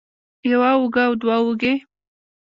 يوه اوږه او دوه اوږې